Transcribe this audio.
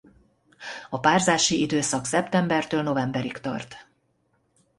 A párzási időszak szeptembertől novemberig tart.